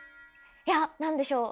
いや何でしょう？